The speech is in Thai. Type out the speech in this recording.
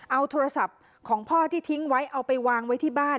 เอาโทรศัพท์ของพ่อที่ทิ้งไว้เอาไปวางไว้ที่บ้าน